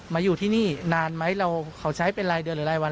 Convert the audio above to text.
อยู่ที่นี่นานไหมเราเขาใช้เป็นรายเดือนหรือรายวัน